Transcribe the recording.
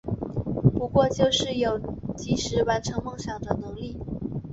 不过就是有及时完成梦想的能力